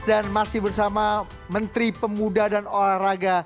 dan masih bersama menteri pemuda dan olahraga